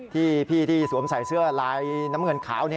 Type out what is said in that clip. ที่พี่ที่สวมใส่เสื้อลายน้ำเงินขาว